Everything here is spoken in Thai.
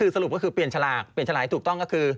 สรุปก็คือเปลี่ยนฉลากเปลี่ยนฉลากถูกต้องก็คือ